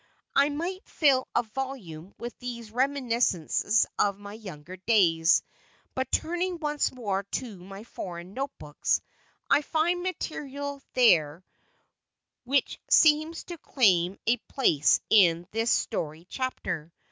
I might fill a volume with these reminiscences of my younger days, but turning once more to my foreign notebooks, I find material there which seems to claim a place in this story chapter.